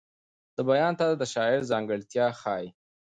د بیان طرز د شاعر ځانګړتیا ښیي.